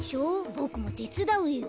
ボクもてつだうよ。